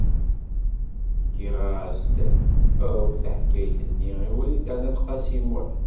Ḥkiɣ-as-d akk taḥkayt-nni i Wrida n At Qasi Muḥ.